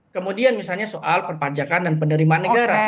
kemudian misalnya soal perpajakan dan penerimaan negara